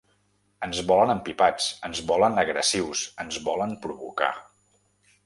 Ens volen empipats, ens volen agressius, ens volen provocar.